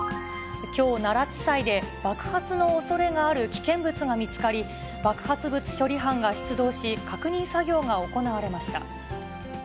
きょう、奈良地裁で、爆発の恐れがある危険物が見つかり、爆発物処理班が出動し、確認作業が行われました。